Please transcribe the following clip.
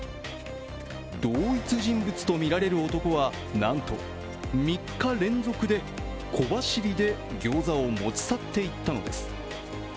同一人物とみられる男はなんと３日連続で小走りでギョーザを持ち去っていったのです。